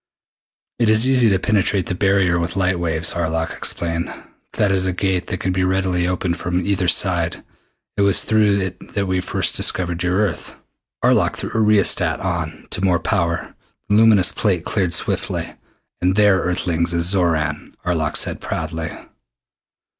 "It is easy to penetrate the barrier with light waves," Arlok explained. "That is a Gate that can readily be opened from either side. It was through it that we first discovered your Earth." Arlok threw a rheostat on to more power. The luminous plate cleared swiftly. "And there, Earthlings, is Xoran!" Arlok said proudly.